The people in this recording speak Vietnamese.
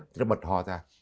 thì nó bật ho ra